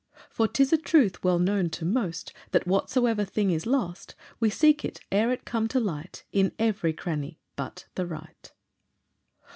For 'tis a truth well known to most, That whatsoever thing is lost, We seek it, ere it come to light, In every cranny but the right.